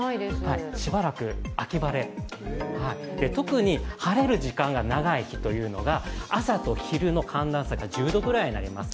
しばらく秋晴れ、特に晴れる時間が長い日というのが朝と昼の寒暖差が１０度くらいになります。